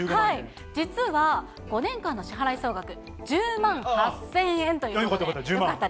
実は５年間の支払総額１０万８０００円ということで。